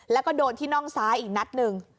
แล้วก็โดนที่น่องซ้ายอีกนัดหนึ่ง